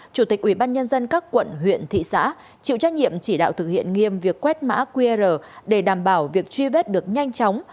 chủ tịch ubnd các quận huyện thị xã chịu trách nhiệm chỉ đạo thực hiện nghiêm việc quét mã qr để đảm bảo việc truy vết được nhanh chóng